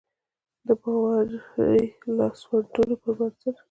د باوري لاسوندونو پر بنسټ.